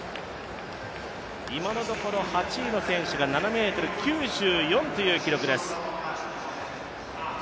今のところ８位の選手が７ｍ９４という記録です。